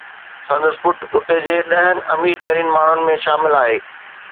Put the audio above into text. سندس پٽ اتي جي ڏهن امير ترين ماڻهن ۾ شامل آهي.